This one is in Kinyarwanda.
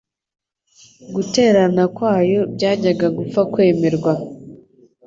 Guterana kwayo byajyaga gupfa kwemerwa.